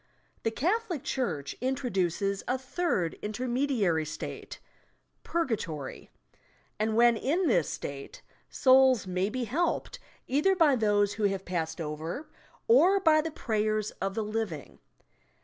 The Catholic church introduces a third inter mediary state, Purgatory ; and when in this state, souls may be helped either by those who have passed over or by the prayers of the living.